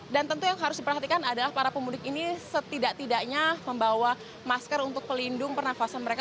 dan tentu yang harus diperhatikan adalah para pemudik ini setidak tidaknya membawa masker untuk pelindung pernafasan mereka